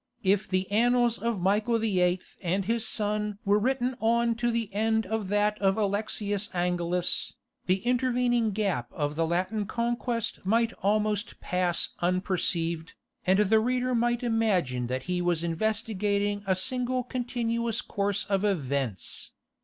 If the annals of Michael VIII. and his son were written on to the end of that of Alexius Angelus, the intervening gap of the Latin Conquest might almost pass unperceived, and the reader might imagine that he was investigating a single continuous course of events.